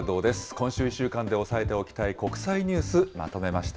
今週１週間で押さえておきたい国際ニュース、まとめました。